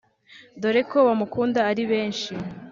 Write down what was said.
dore ko banamukunda ari benshi